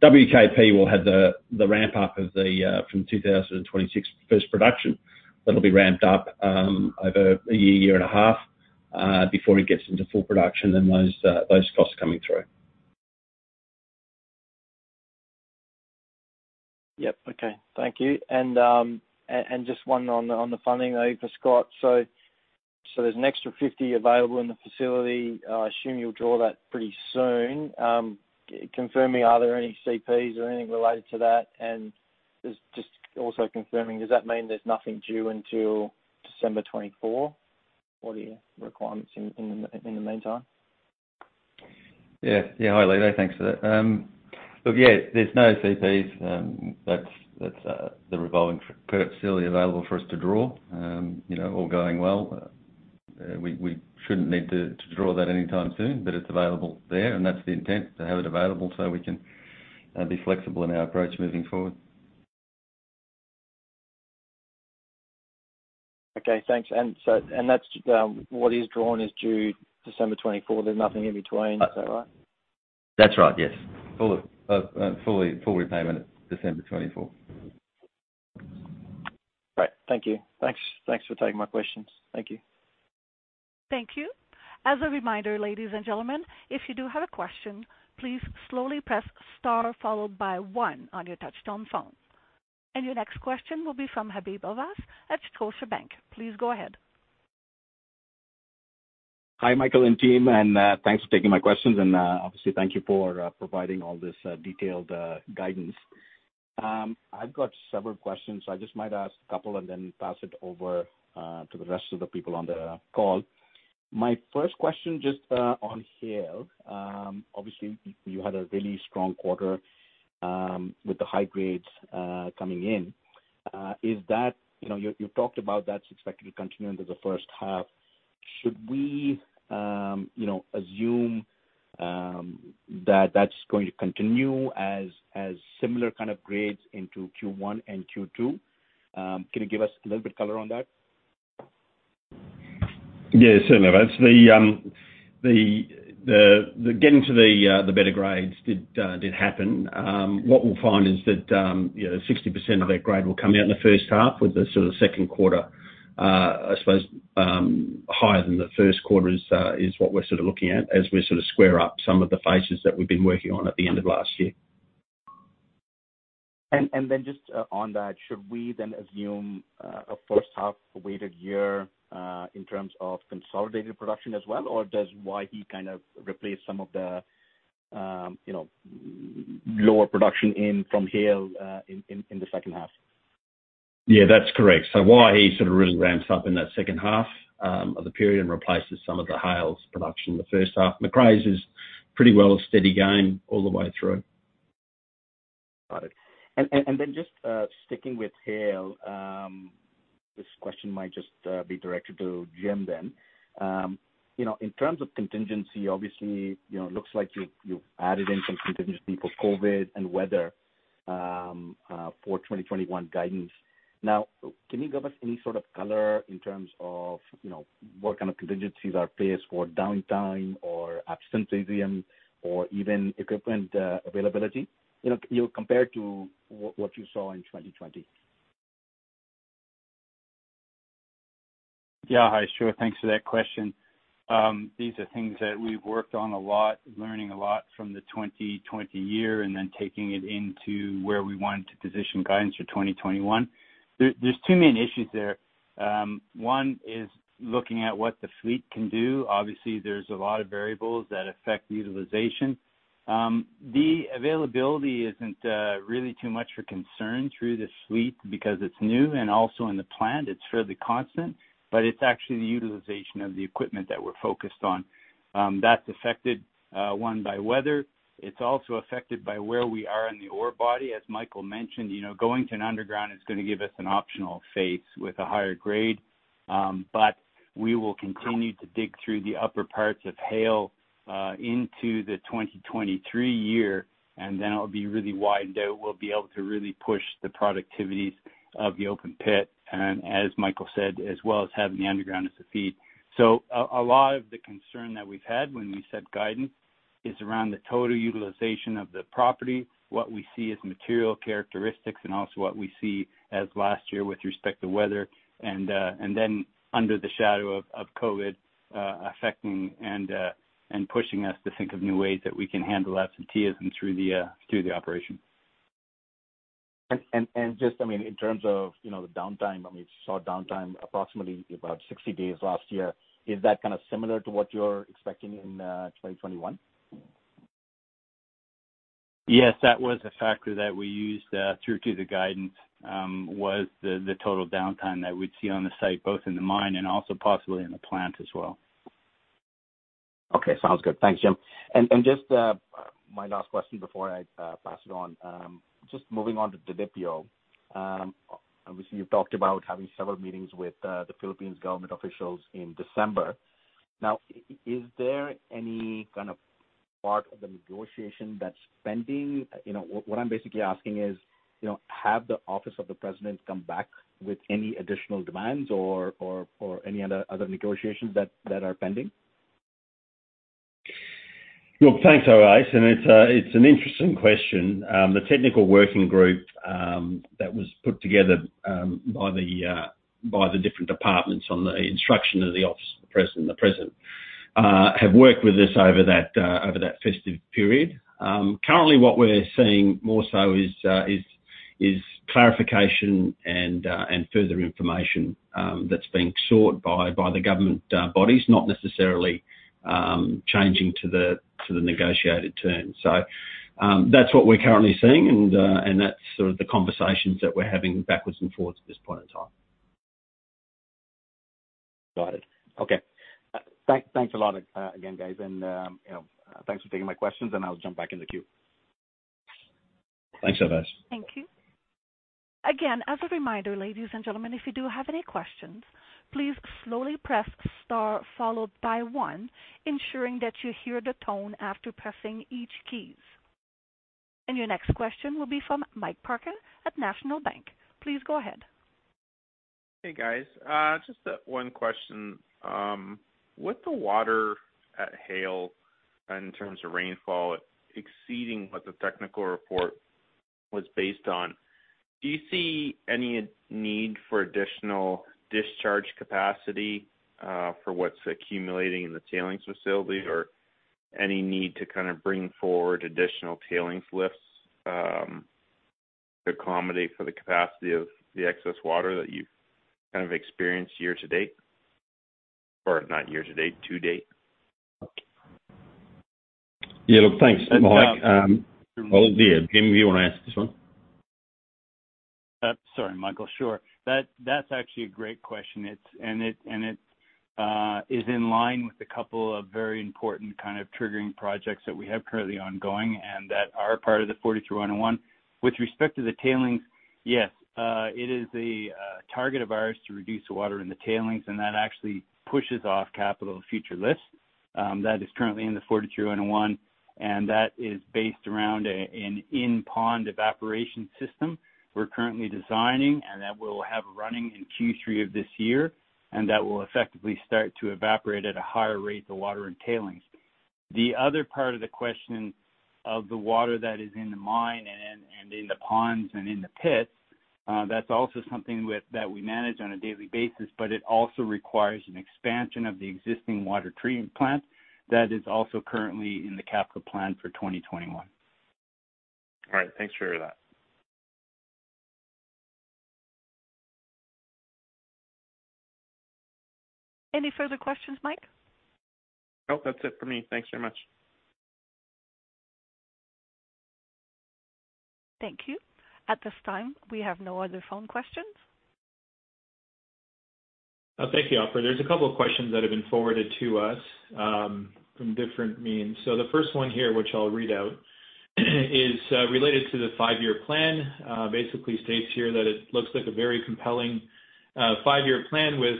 [SPEAKER 3] WKP will have the ramp-up from 2026 first production. That'll be ramped up over a year and a half, before it gets into full production, those costs coming through.
[SPEAKER 8] Yep. Okay. Thank you. Just one on the funding though for Scott. There's an extra $50 available in the facility. I assume you'll draw that pretty soon. Confirming, are there any CPs or anything related to that? Just also confirming, does that mean there's nothing due until December 2024? What are your requirements in the meantime?
[SPEAKER 4] Yeah. Hi, Levi. Thanks for that. Look, yeah, there's no CPs. That's the revolving facility available for us to draw. All going well, we shouldn't need to draw that anytime soon, but it's available there, and that's the intent, to have it available so we can be flexible in our approach moving forward.
[SPEAKER 8] Okay, thanks. What is drawn is due December 2024. There's nothing in between, is that right?
[SPEAKER 4] That's right, yes. Full repayment at December 2024.
[SPEAKER 8] Great. Thank you. Thanks for taking my questions. Thank you.
[SPEAKER 1] Thank you. As a reminder, ladies and gentlemen, if you do have a question, please slowly press star followed by one on your touch-tone phone. Your next question will be from Ovais Habib at Scotiabank. Please go ahead.
[SPEAKER 9] Hi, Michael and team, thanks for taking my questions and obviously thank you for providing all this detailed guidance. I've got several questions, I just might ask a couple then pass it over to the rest of the people on the call. My first question, just on Haile. Obviously, you had a really strong quarter with the high grades coming in. You've talked about that's expected to continue into the first half. Should we assume that that's going to continue as similar kind of grades into Q1 and Q2? Can you give us a little bit of color on that?
[SPEAKER 3] Yeah. Certainly, Ovais. Getting to the better grades did happen. What we'll find is that 60% of that grade will come out in the first half with the sort of second quarter, I suppose, higher than the first quarter is what we're sort of looking at as we square up some of the phases that we've been working on at the end of last year.
[SPEAKER 9] Just on that, should we then assume a first half weighted year, in terms of consolidated production as well, or does Waihi replace some of the lower production in from Haile in the second half?
[SPEAKER 3] Yeah, that's correct. Waihi sort of really ramps up in that second half of the period and replaces some of the Haile's production in the first half. Macraes is pretty well a steady game all the way through.
[SPEAKER 9] Got it. Just sticking with Haile, this question might just be directed to Jim then. In terms of contingency, obviously, it looks like you've added in some contingency for COVID and weather for 2021 guidance. Now, can you give us any sort of color in terms of what kind of contingencies are placed for downtime or absenteeism or even equipment availability compared to what you saw in 2020?
[SPEAKER 6] Hi, sure. Thanks for that question. These are things that we've worked on a lot, learning a lot from the 2020 year and then taking it into where we want to position guidance for 2021. There's two main issues there. One is looking at what the fleet can do. Obviously, there's a lot of variables that affect utilization. The availability isn't really too much for concern through this fleet because it's new, and also in the plant, it's fairly constant, it's actually the utilization of the equipment that we're focused on. That's affected, one, by weather. It's also affected by where we are in the ore body. As Michael mentioned, going to an underground is going to give us an optional face with a higher grade. We will continue to dig through the upper parts of Haile into the 2023 year, and then it'll be really wide out. We'll be able to really push the productivities of the open pit, and as Michael said, as well as having the underground as a feed. A lot of the concern that we've had when we set guidance is around the total utilization of the property, what we see as material characteristics, and also what we see as last year with respect to weather. Under the shadow of COVID affecting and pushing us to think of new ways that we can handle absenteeism through the operation.
[SPEAKER 9] Just in terms of the downtime, we saw downtime approximately about 60 days last year. Is that similar to what you're expecting in 2021?
[SPEAKER 6] Yes, that was a factor that we used through to the guidance, was the total downtime that we'd see on the site, both in the mine and also possibly in the plant as well.
[SPEAKER 9] Okay. Sounds good. Thanks, Jim. Just my last question before I pass it on. Just moving on to Didipio. Obviously, you've talked about having several meetings with the Philippines government officials in December. Is there any part of the negotiation that's pending? What I'm basically asking is, have the Office of the President come back with any additional demands or any other negotiations that are pending?
[SPEAKER 3] Look, thanks, Ovais. It's an interesting question. The technical working group that was put together by the different departments on the instruction of the Office of the President, the President, have worked with us over that festive period. Currently, what we're seeing more so is clarification and further information that's being sought by the government bodies, not necessarily changing to the negotiated terms. That's what we're currently seeing, and that's sort of the conversations that we're having backwards and forwards at this point in time.
[SPEAKER 9] Got it. Okay. Thanks a lot again, guys. Thanks for taking my questions, and I'll jump back in the queue.
[SPEAKER 3] Thanks, Ovais.
[SPEAKER 1] Thank you. Again, as a reminder, ladies and gentlemen, if you do have any questions, please slowly press star followed by one, ensuring that you hear the tone after pressing each key. Your next question will be from Mike Parkin at National Bank. Please go ahead.
[SPEAKER 10] Hey, guys. Just one question. With the water at Haile in terms of rainfall exceeding what the technical report was based on, do you see any need for additional discharge capacity for what's accumulating in the tailings facility, or any need to kind of bring forward additional tailings lifts to accommodate for the capacity of the excess water that you've kind of experienced year to date, or not year to date, to date?
[SPEAKER 3] Yeah, look, thanks, Mike. Jim, do you want to answer this one?
[SPEAKER 6] Sorry, Michael. Sure. That's actually a great question. It is in line with a couple of very important kind of triggering projects that we have currently ongoing and that are part of the 43-101. With respect to the tailings, yes, it is a target of ours to reduce the water in the tailings, and that actually pushes off capital future costs. That is currently in the 43-101, and that is based around an in-pond evaporation system we're currently designing and that we'll have running in Q3 of this year. That will effectively start to evaporate at a higher rate the water in tailings. The other part of the question of the water that is in the mine and in the ponds and in the pits, that's also something that we manage on a daily basis, but it also requires an expansion of the existing water treatment plant that is also currently in the capital plan for 2021.
[SPEAKER 10] All right. Thanks for that.
[SPEAKER 1] Any further questions, Mike?
[SPEAKER 10] Nope, that's it for me. Thanks very much.
[SPEAKER 1] Thank you. At this time, we have no other phone questions.
[SPEAKER 2] Thank you, Operator. There's a couple of questions that have been forwarded to us, from different means. The first one here, which I'll read out, is related to the five-year plan. Basically states here that it looks like a very compelling five-year plan with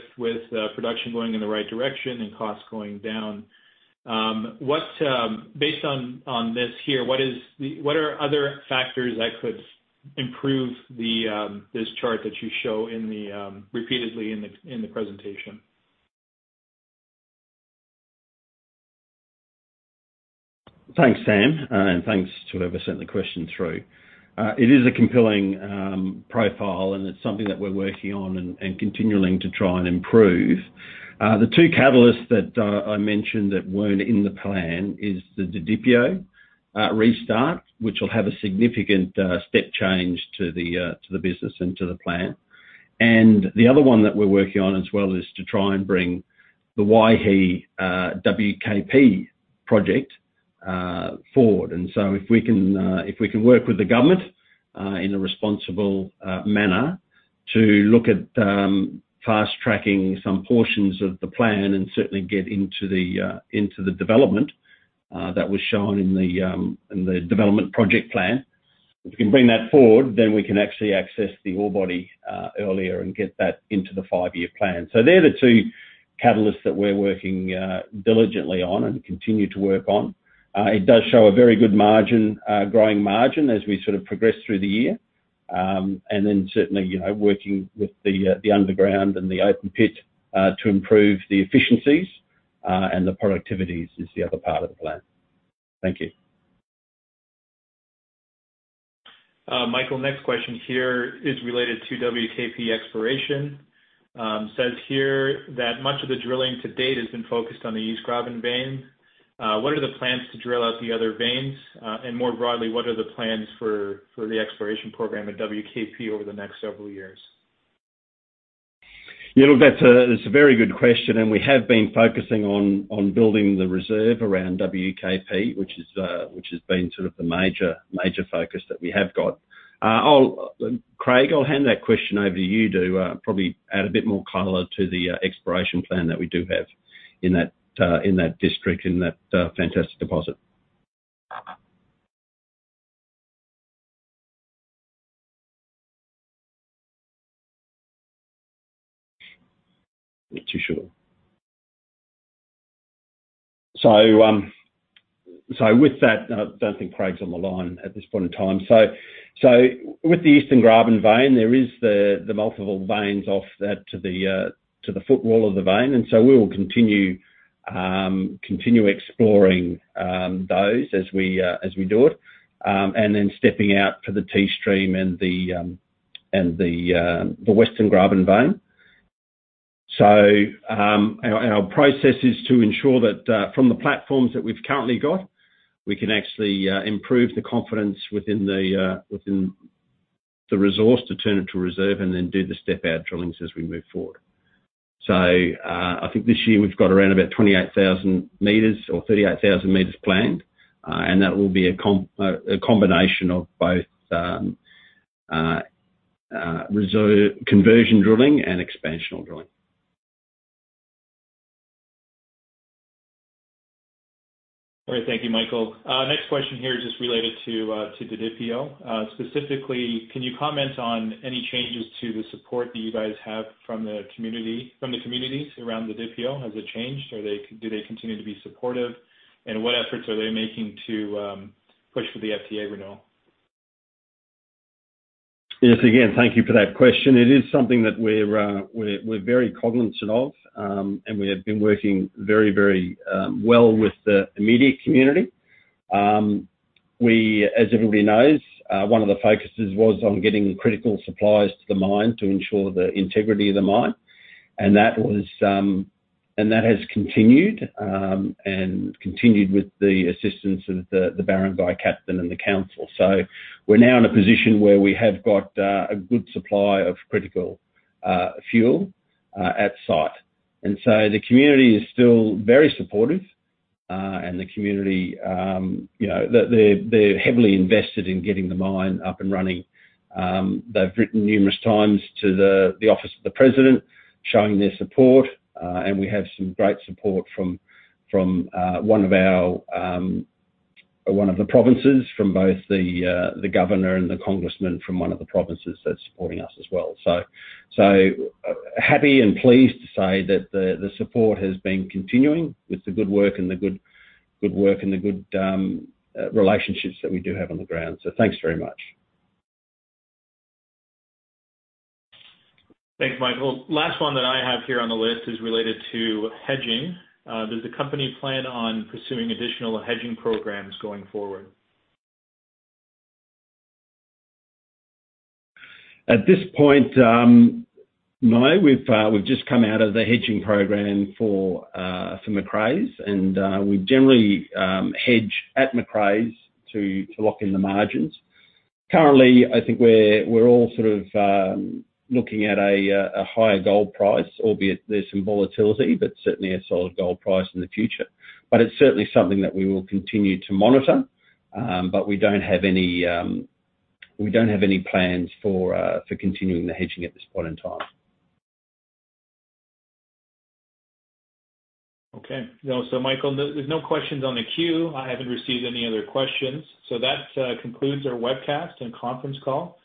[SPEAKER 2] production going in the right direction and costs going down. Based on this here, what are other factors that could improve this chart that you show repeatedly in the presentation?
[SPEAKER 3] Thanks, Sam, and thanks to whoever sent the question through. It is a compelling profile, and it's something that we're working on and continuing to try and improve. The two catalysts that I mentioned that weren't in the plan is the Didipio restart, which will have a significant step change to the business and to the plan. The other one that we're working on as well is to try and bring the Waihi WKP project forward. If we can work with the government, in a responsible manner to look at fast-tracking some portions of the plan and certainly get into the development that was shown in the development project plan. If we can bring that forward, then we can actually access the ore body earlier and get that into the five-year plan. They're the two catalysts that we're working diligently on and continue to work on. It does show a very good margin, growing margin as we sort of progress through the year. Certainly, working with the underground and the open pit, to improve the efficiencies, and the productivities is the other part of the plan. Thank you.
[SPEAKER 2] Michael, next question here is related to WKP exploration. Says here that much of the drilling to date has been focused on the East Graben vein. What are the plans to drill out the other veins? More broadly, what are the plans for the exploration program at WKP over the next several years?
[SPEAKER 3] Yeah, look, that's a very good question, and we have been focusing on building the reserve around WKP, which has been sort of the major focus that we have got. Craig, I'll hand that question over to you to probably add a bit more color to the exploration plan that we do have in that district, in that fantastic deposit. Not too sure. With that, I don't think Craig's on the line at this point in time. With the Eastern Graben vein, there is the multiple veins off that to the foot wall of the vein. We will continue exploring those as we do it. Then stepping out for the T-Stream and the Western Graben vein. Our process is to ensure that from the platforms that we've currently got, we can actually improve the confidence within the resource to turn it to reserve and then do the step-out drillings as we move forward. I think this year we've got around about 28,000 m or 38,000 m planned. And that will be a combination of both conversion drilling and expansional drilling.
[SPEAKER 2] All right. Thank you, Michael. Next question here is just related to Didipio. Specifically, can you comment on any changes to the support that you guys have from the communities around Didipio? Has it changed? Do they continue to be supportive? What efforts are they making to push for the FTAA renewal?
[SPEAKER 3] Yes. Again, thank you for that question. It is something that we're very cognizant of. We have been working very well with the immediate community. As everybody knows, one of the focuses was on getting critical supplies to the mine to ensure the integrity of the mine. That has continued, and continued with the assistance of the barangay captain and the council. We're now in a position where we have got a good supply of critical fuel at site. The community is still very supportive. The community, they're heavily invested in getting the mine up and running. They've written numerous times to the Office of the President showing their support. We have some great support from one of the provinces, from both the governor and the congressman from one of the provinces that's supporting us as well. Happy and pleased to say that the support has been continuing with the good work and the good relationships that we do have on the ground. Thanks very much.
[SPEAKER 2] Thanks, Michael. Last one that I have here on the list is related to hedging. Does the company plan on pursuing additional hedging program going forward?
[SPEAKER 3] At this point, no. We've just come out of the hedging program for Macraes, and we generally hedge at Macraes to lock in the margins. Currently, I think we're all sort of looking at a higher gold price, albeit there's some volatility, but certainly a solid gold price in the future. It's certainly something that we will continue to monitor. We don't have any plans for continuing the hedging at this point in time.
[SPEAKER 2] Okay. Michael, there's no questions on the queue. I haven't received any other questions. That concludes our webcast and conference call.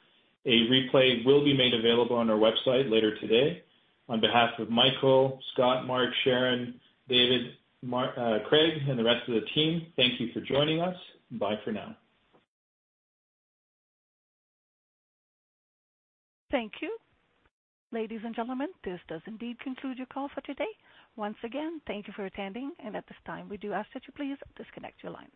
[SPEAKER 2] A replay will be made available on our website later today. On behalf of Michael, Scott, Mark, Sharon, David, Craig, and the rest of the team, thank you for joining us. Bye for now.
[SPEAKER 1] Thank you. Ladies and gentlemen, this does indeed conclude your call for today. Once again, thank you for attending. At this time, we do ask that you please disconnect your line.